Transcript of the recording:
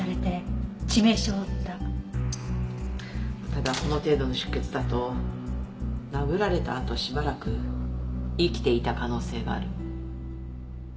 ただこの程度の出血だと殴られたあとしばらく生きていた可能性がある。